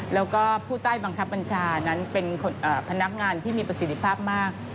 แล้วก็ผู้ใต้บังคับบัญชานั้นเป็นพนักงานที่มีประสิทธิภาพมาก